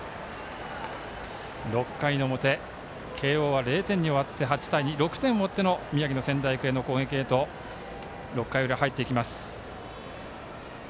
６回の表、慶応は０点に終わって８対２、６点を追っての宮城の仙台育英の攻撃へと６回の裏、入っていきます。